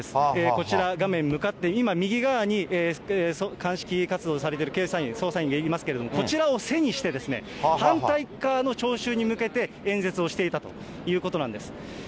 こちら、画面向かって今、右側に鑑識活動をされている捜査員がいますけれども、こちらを背にして、反対側の聴衆に向けて、演説をしていたということなんです。